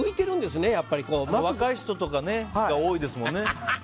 若い人とかが多いですもんね。